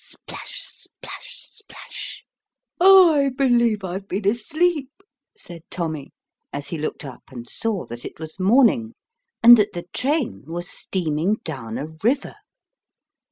PLASH, splash, splash! "I believe I've been asleep," said Tommy, as he looked up and saw that it was morning, and that the train was steaming down a river.